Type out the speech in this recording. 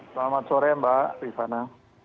selamat sore mbak rifana